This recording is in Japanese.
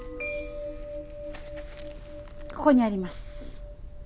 ここにあります。